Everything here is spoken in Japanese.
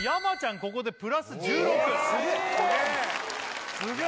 ここでプラス１６すげえ